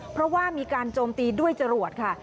เพราะว่ามีการโจมตีด้วยจรวดค่ะ